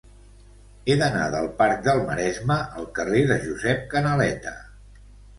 He d'anar del parc del Maresme al carrer de Josep Canaleta.